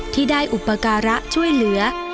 ที่ได้อุปการะช่วยเหลือ